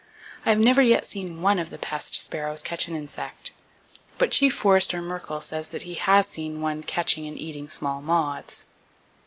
I never yet have seen one of the pest sparrows catch an insect, but Chief Forester Merkel says that he has seen one catching and eating small moths.